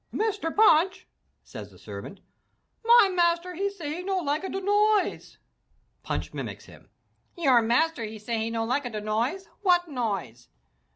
"Mr. Punch," says the servant, "my master he say he no lika de noise." Punch mimics him, "Your master he say he no lika de noise! What noise?"